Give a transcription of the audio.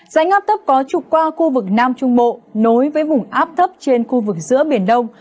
dãnh áp thấp có trục qua khu vực nam trung bộ nối với vùng áp thấp trên khu vực giữa biển đông